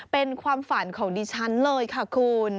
เป็นความฝันของดิฉันเลยค่ะคุณ